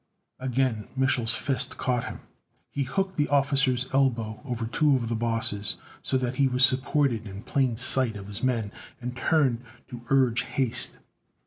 Again Mich'l's fist caught him. He hooked the officer's elbows over two of the bosses, so that he was supported in plain sight of his men, and turned to urge haste.